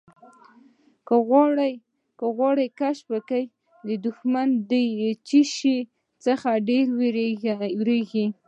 که غواړې کشف کړې دښمن د څه شي څخه ډېر وېرېږي.